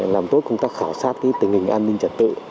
làm tốt công tác khảo sát tình hình an ninh trật tự